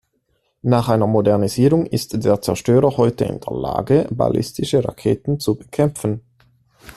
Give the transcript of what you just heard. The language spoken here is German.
Nach einer Modernisierung ist der Zerstörer heute in der Lage ballistische Raketen zu bekämpfen.